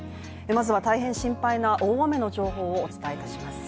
まずは大変心配な大雨の情報をお伝えします。